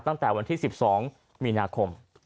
ตั้งแต่วันที่๑๒มีนาคม